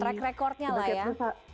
track record nya lah ya